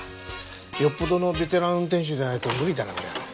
よっぽどのベテラン運転手じゃないと無理だなこりゃ。